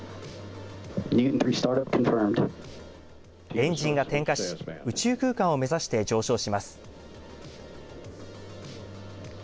エンジンが点火し宇宙空間を目指して上昇します。